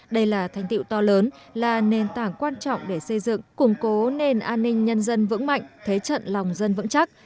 đây là thành tiệu to lớn là nền tảng quan trọng để xây dựng củng cố nền an ninh nhân dân vững mạnh thế trận lòng dân vững chắc